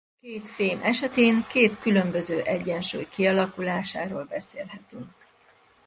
Két fém esetén két különböző egyensúly kialakulásáról beszélhetünk.